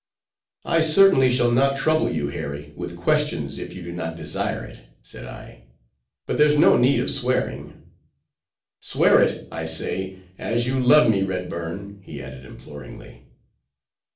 "I certainly shall not trouble you, Harry, with questions, if you do not desire it," said I, "but there's no need of swearing." "Swear it, I say, as you love me, Redburn," he added, imploringly.